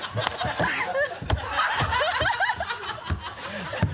ハハハ